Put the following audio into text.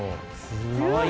すごい。